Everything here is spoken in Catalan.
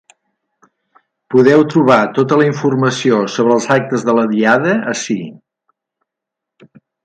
Podeu trobar tota la informació sobre els actes de la Diada ací.